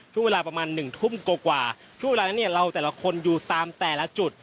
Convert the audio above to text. ช่วงเวลาประมาณหนึ่งทุ่มกว่าช่วงเวลานั้นเนี่ยเราแต่ละคนอยู่ตามแต่ละจุด